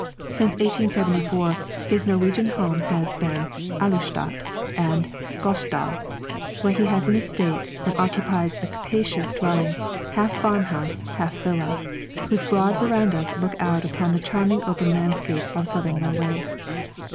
Since 1874 his Norwegian home has been at Aulestad in the Gausdal, where he has an estate, and occupies a capacious dwelling half farm house, half villa whose broad verandas look out upon the charming open landscape of Southern Norway.